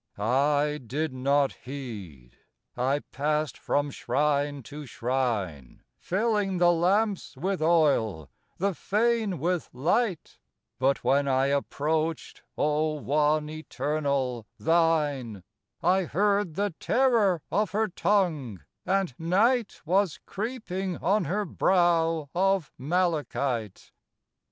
I did not heed; I passed from shrine to shrine, Filling the lamps with oil, the Fane with light; But when I approached, O One Eternal, thine, I heard the terror of her tongue, and Night Was creeping on her brow of malachite.